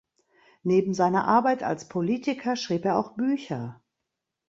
Neben seiner Arbeit als Politiker schrieb er auch Bücher.